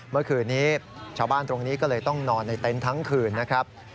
เมื่อคืนนี้ชาวบ้านตรงนี้ก็เลยต้องนอนในเต็นต์ทั้งคืนนะครับ